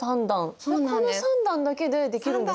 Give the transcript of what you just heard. この３段だけでできるんですね？